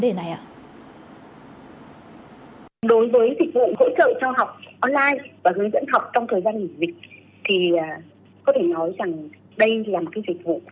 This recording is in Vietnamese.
đối với dịch vụ hỗ trợ cho học online và hướng dẫn học trong thời gian dịch